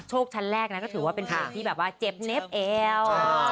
โชคชั้นแรกนั้นก็ถือว่าเป็นเพลงที่เจ็บเน็บแอล